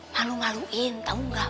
malu maluin tau gak